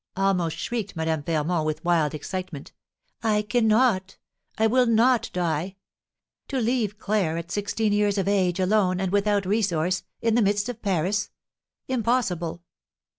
almost shrieked Madame Fermont, with wild excitement; "I cannot, I will not die! To leave Claire at sixteen years of age, alone, and without resource, in the midst of Paris! Impossible!